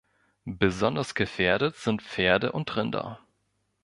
Besonders gefährdet sind Pferde und Rinder.